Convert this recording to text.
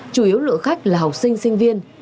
chủ yếu lượng khách là học sinh sinh viên